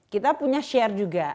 kita punya share juga